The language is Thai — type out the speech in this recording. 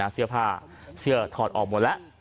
เสื้อผ้าเสื้อถอดออกหมดแล้ว